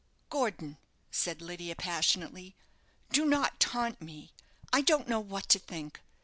"Gordon," said Lydia, passionately, "do not taunt me. I don't know what to think.